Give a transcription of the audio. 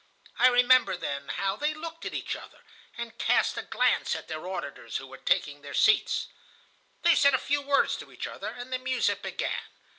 I remember then how they looked at each other, and cast a glance at their auditors who were taking their seats. They said a few words to each other, and the music began.